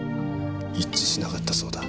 一致しなかったそうだ。